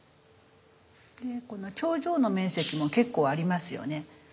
でこの頂上の面積も結構ありますよね。